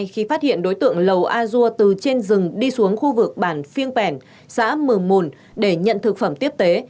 khi phát hiện đối tượng lầu a ria từ trên rừng đi xuống khu vực bản phiêng phèn xã mờ mồn để nhận thực phẩm tiếp tế